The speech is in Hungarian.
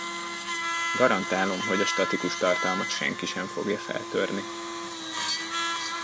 Garantálom, hogy a statikus tartalmat senki sem fogja feltörni.